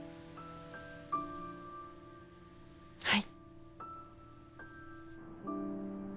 はい。